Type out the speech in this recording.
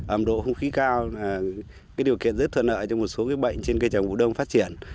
ẩm độ không khí cao là điều kiện rất thuận lợi cho một số bệnh trên cây trồng củ đông phát triển